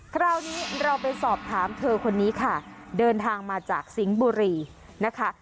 คราวนี้เราไปสอบถามเธอคนนี้ค่ะเดินทางมาจากสิงห์บุรีนะคะ